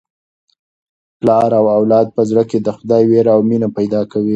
پلار د اولاد په زړه کي د خدای وېره او مینه پیدا کوي.